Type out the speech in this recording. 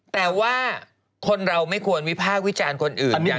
แต่ว่าคนเราไม่ควรวิพากษ์วิจารณ์คนอื่นอย่างสนุกบะ